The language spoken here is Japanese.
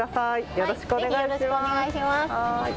よろしくお願いします。